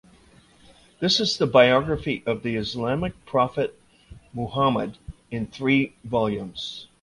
This is the biography of the Islamic prophet Muhammad in three volumes.